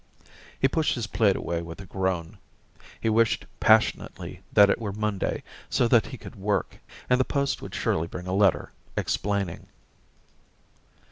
He pushed his plate away with a groan. He wished passionately that it were Monday, so that he could work. And the post would surely bring a letter, explaining.